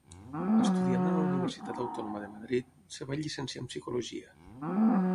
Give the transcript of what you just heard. Estudiant a la Universitat Autònoma de Madrid, es va llicenciar en Psicologia.